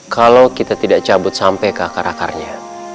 kalau kita tidak cabut sampai ke akar akarnya